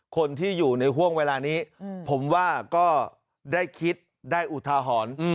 คนที่อยู่ในห่วงเวลานี้ผมว่าก็ได้คิดได้อุทาหรณ์